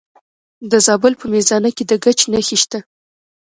د زابل په میزانه کې د ګچ نښې شته.